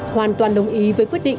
hoàn toàn đồng ý với quyết định